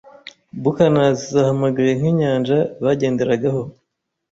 buccaneers zahamagaye nkinyanja bagenderagaho.